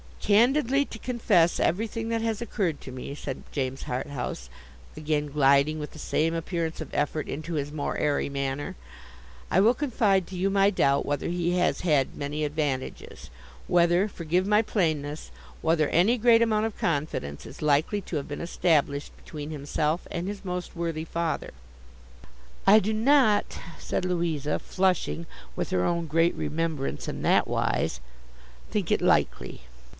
'Candidly to confess everything that has occurred to me,' said James Harthouse, again gliding with the same appearance of effort into his more airy manner; 'I will confide to you my doubt whether he has had many advantages. Whether—forgive my plainness—whether any great amount of confidence is likely to have been established between himself and his most worthy father.' 'I do not,' said Louisa, flushing with her own great remembrance in that wise, 'think it likely.